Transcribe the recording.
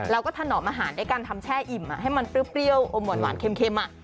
แล้วก็ถนอมอาหารด้วยการทำแช่อิ่มให้มันเปรี้ยวอมหวานเค็ม